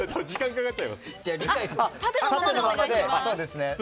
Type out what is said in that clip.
縦のままでお願いします。